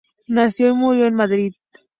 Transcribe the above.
Nació y murió en Madrid.